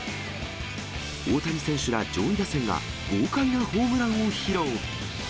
大谷選手ら上位打線が、豪快なホームランを披露。